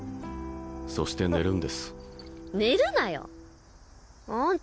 そして寝るんです寝るなよあんた